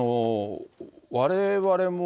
われわれも、